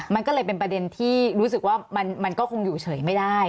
มันก็เลยเป็นประเด็นที่รู้สึกว่ามันก็คงอยู่เฉยไม่ได้